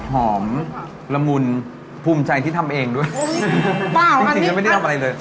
หอมละมุนภูมิใจที่ทำเองด้วยอุ้ยเปล่าจริงจริงฉันไม่ได้ทำอะไรเลย